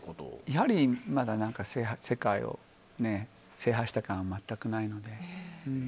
やはり、まだ世界を制覇した感は全くないので。